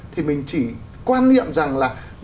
thì mình chỉ quan niệm rằng là